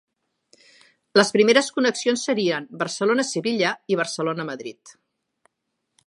Les primeres connexions serien Barcelona - Sevilla i Barcelona - Madrid.